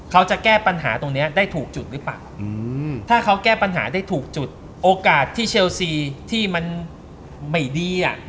เขาจะแก้ปัญหาตรงนี้ได้ถูกจุดหรือเปล่าถ้าเขาแก้ปัญหาได้ถูกจุดโอกาสที่เชลซีที่มันไม่ดี